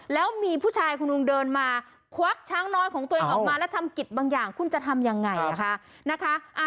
แล้วมีผู้ชายคุณลุงเดินมาควักช้างน้อยของตัวเองออกมาแล้วทำกิจบางอย่างคุณจะทำยังไงนะคะ